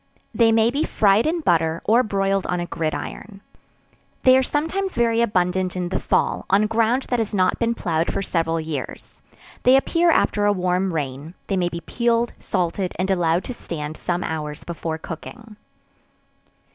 They may be fried in butter, or broiled on a gridiron. They are sometimes very abundant in the fall, on ground that has not been ploughed for several years; they appear after a warm rain; they may be peeled, salted, and allowed to stand some hours before cooking.